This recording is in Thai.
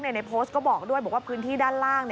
ในโพสต์ก็บอกด้วยบอกว่าพื้นที่ด้านล่าง